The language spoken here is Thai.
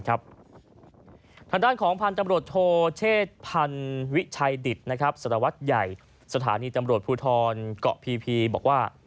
ทางด้านของพันธุ์ตำรวจโทเชษพันวิชัยดิตสารวัตรใหญ่สถานีตำรวจภูทรเกาะพีบอกว่า